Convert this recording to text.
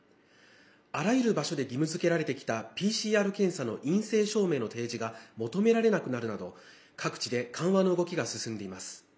あらゆる場所で義務づけられてきたＰＣＲ検査の陰性証明の提示が求められなくなるなど各地で緩和の動きが進んでいます。